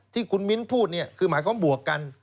ที่คุณมิ้นพูดเนี่ยคือหมายความบวกกัน